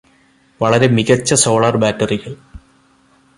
വളരെ മികച്ച സോളാർ ബാറ്ററികൾ